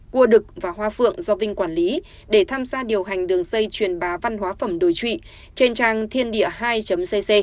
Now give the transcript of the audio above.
cua đực và hoa phượng do vinh quản lý để tham gia điều hành đường dây truyền bá văn hóa phẩm đồi trụy trên trang thiên địa hai cc